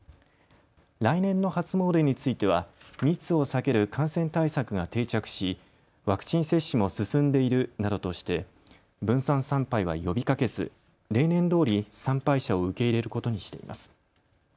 来年の初詣については密を避ける感染対策が定着しワクチン接種も進んでいるなどとして分散参拝は呼びかけず例年どおり参拝者を受け入れることにしています。